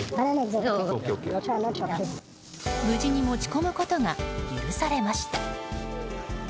無事に持ち込むことが許されました。